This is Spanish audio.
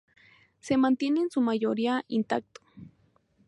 Se mantiene en su mayoría intacto.